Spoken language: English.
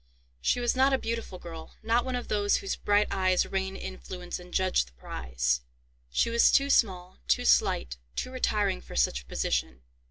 She was not a beautiful girl—not one of those whose "bright eyes rain influence, and judge the prize." She was too small, too slight, too retiring for such a position.